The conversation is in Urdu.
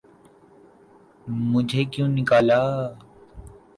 'مجھے کیوں نکالا؟